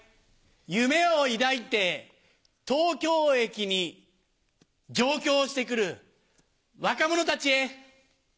夢を抱いて東京駅に上京して来る若者たち！